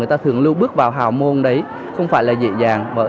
thường lưu bước vào hào môn đấy không phải là dễ dàng